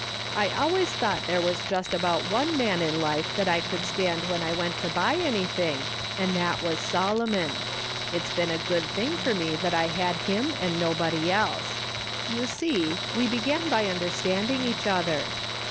I always thought there was just about one man in life that I could stand Avhen I went to buy anything, and that was Solomon. It's been a good thing for me that I had him and nobody else. You see, we began by understanding each other.